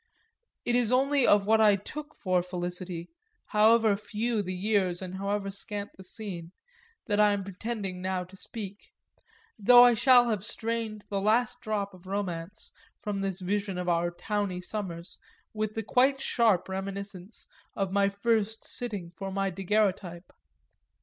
It is only of what I took for felicity, however few the years and however scant the scene, that I am pretending now to speak; though I shall have strained the last drop of romance from this vision of our towny summers with the quite sharp reminiscence of my first sitting for my daguerreotype.